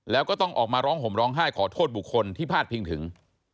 แล้วก็ต้องออกมาร้องห่มร้องไห้ขอโทษบุคคลที่พาดพิงถึง